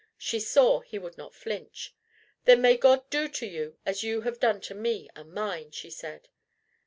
She saw he would not flinch. "Then may God do to you as you have done to me and mine!" she said.